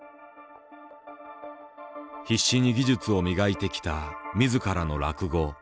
必死に技術を磨いてきた自らの落語。